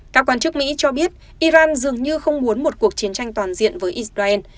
các quan chức mỹ cho biết iran dường như không muốn một cuộc chiến tranh toàn diện với israel